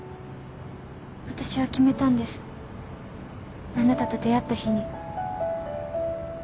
私は決めたんですあなたと出会った日に。